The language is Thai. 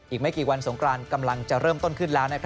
อีกไม่กี่วันสงกรานกำลังจะเริ่มต้นขึ้นแล้ว